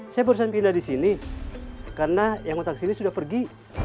saya barusan pindah di sini karena yang otak sini sudah pergi